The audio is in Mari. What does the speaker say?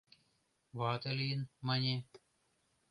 Вате лийын, мане.